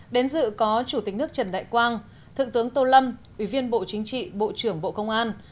đến dự có chủ tịch nước trần đại quang thượng tướng tô lâm ủy viên bộ chính trị bộ trưởng bộ công an